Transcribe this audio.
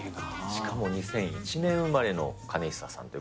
しかも２００１年生まれのかねひささんという。